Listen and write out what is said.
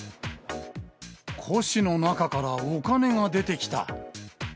古紙の中からお金が出てきた。